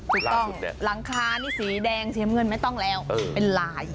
หลังคานี่สีแดงเสียมเงินไม่ต้องแล้วเป็นลาย